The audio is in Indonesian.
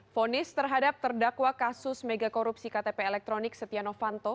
fonis terhadap terdakwa kasus megakorupsi ktp elektronik setia novanto